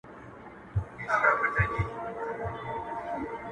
• په نارو د بيزو وان خوا ته روان سو,